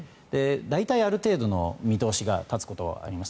大体、ある程度の見通しが立つことがあります。